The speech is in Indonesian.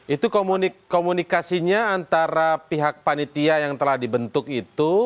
itu komunikasinya antara pihak panitia yang telah dibentuk itu